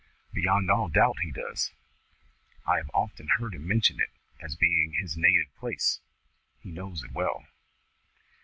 "Beyond all doubt he does. I have often heard him mention it, as being his native place. He knows it well."